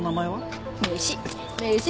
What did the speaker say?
名刺！